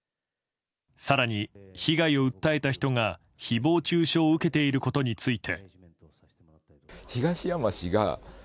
更に、被害を訴えた人が誹謗中傷を受けていることについて。